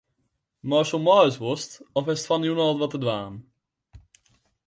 Meist wol mei ast wolst of hast fan 'e jûn al wat te dwaan?